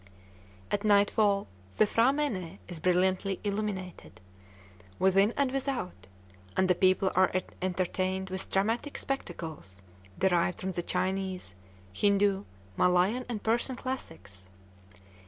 At nightfall the P'hra mène is brilliantly illuminated, within and without, and the people are entertained with dramatic spectacles derived from the Chinese, Hindoo, Malayan, and Persian classics.